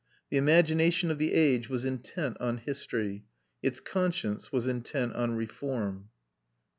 The imagination of the age was intent on history; its conscience was intent on reform.